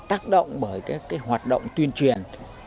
tác động bởi cái hoạt động tuyên truyền